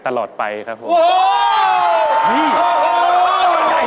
ตลอดไปครับผม